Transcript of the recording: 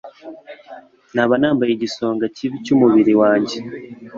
naba mbaye igisonga kibi cy’umubiri wanjye.